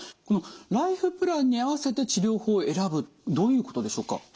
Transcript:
このライフプランに合わせて治療法を選ぶどういうことでしょうか？